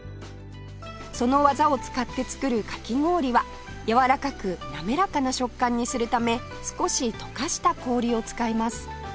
その技を使って作るかき氷はやわらかく滑らかな食感にするため少し溶かした氷を使います